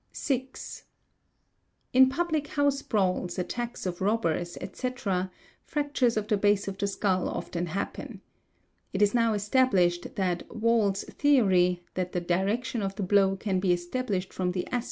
6. In public house brawls, attacks of robbers, etc., fractures of fl base of the skull often happen®™®., It is now established that Val theory that the direction of the blow can be established from the ¢ sp of the wound is correct.